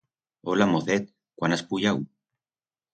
Ola mocet! Cuán has puyau?